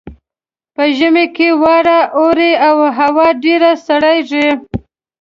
په ژمي کې واوره اوري او هوا ډیره سړیږي